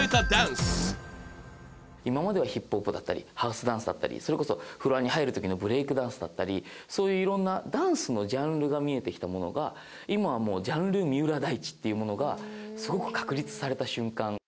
今まではヒップホップだったりハウスダンスだったりそれこそフロアに入る時のブレイクダンスだったりそういういろんなダンスのジャンルが見えてきたものが今はもうジャンル「三浦大知」っていうものがすごく確立された瞬間。